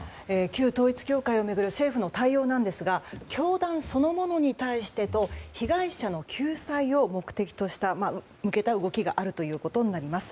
旧統一教会を巡る政府の対応なんですが教団そのものに対してと被害者の救済に向けた動きがあるということになります。